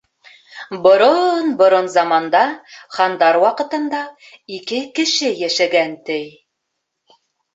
Борон-борон заманда, хандар ваҡытында, ике кеше йәшәгән, ти.